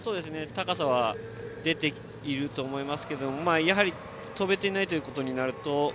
高さは出ていると思いますけどもやはり、跳べていないということになると。